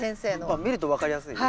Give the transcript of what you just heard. あっ見ると分かりやすいよね。